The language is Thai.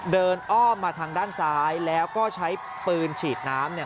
อ้อมมาทางด้านซ้ายแล้วก็ใช้ปืนฉีดน้ำเนี่ย